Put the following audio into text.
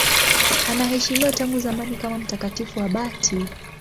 Anaheshimiwa tangu zamani kama mtakatifu abati.